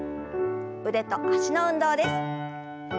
腕と脚の運動です。